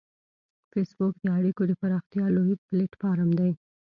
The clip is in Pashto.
فېسبوک د اړیکو د پراختیا لوی پلیټ فارم دی